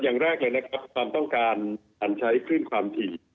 อย่างแรกเลยนะครับความต้องการอันใช้คลื่นความถี่